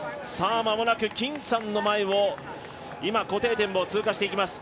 間もなく金さんの前を固定点を通過していきます。